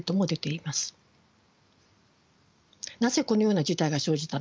なぜこのような事態が生じたのか。